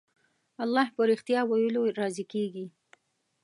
الله په رښتيا ويلو راضي کېږي.